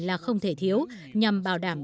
là không thể thiếu nhằm bảo đảm